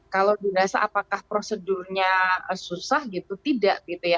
kalau dirasa apakah prosedurnya susah gitu tidak gitu ya